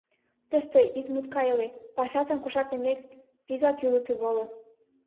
— Тыште ит мутайкале, пашатым кошартымек, вигак ӱлыкӧ воло.